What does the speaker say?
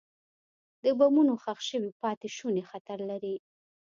د بمونو ښخ شوي پاتې شوني خطر لري.